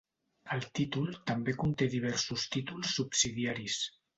El títol també conté diversos títols subsidiaris.